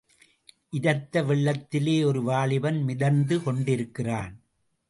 இரத்த வெள்ளத்திலே ஒரு வாலிபன் மிதந்து கொண்டிருக்கிறான்.